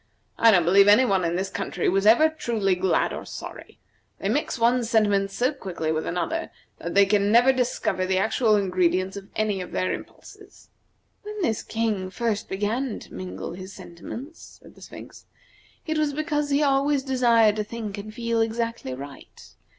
I don't believe any one in this country was ever truly glad or sorry. They mix one sentiment so quickly with another that they never can discover the actual ingredients of any of their impulses." "When this King first began to mingle his sentiments," said the Sphinx, "it was because he always desired to think and feel exactly right.